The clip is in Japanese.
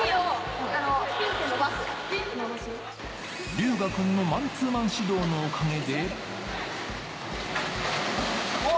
龍芽くんのマンツーマン指導のおかげで。